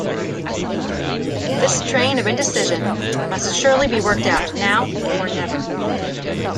This train of indecision must surely be worked out now or never.